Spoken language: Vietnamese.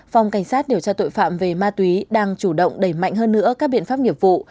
phòng cảnh sát điều tra tội phạm về ma túy đang chủ động đẩy mạnh hơn nữa các biện pháp nghiệp vụ